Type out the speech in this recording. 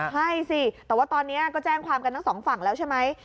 ใช่สิแต่ว่าตอนนี้ก็แจ้งความกันทั้งสองฝั่งแล้วใช่ไหม